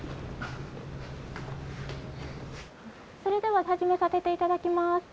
それでははじめさせていただきます。